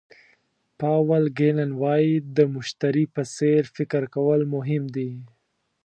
پاول ګیلن وایي د مشتري په څېر فکر کول مهم دي.